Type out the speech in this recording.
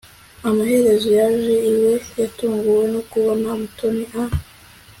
amaherezo yaje iwe. yatunguwe no kubona mutoni a